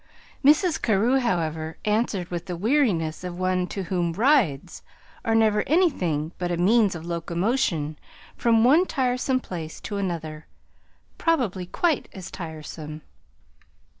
Mrs. Carew, however, answered with the weariness of one to whom "rides" are never anything but a means of locomotion from one tiresome place to another probably quite as tiresome.